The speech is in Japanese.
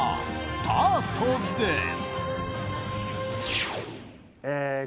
スタートです！